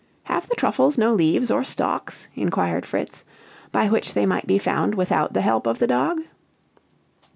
"Have the truffles no leaves or stalks," inquired Fritz, "by which they might be found without the help of the dog?"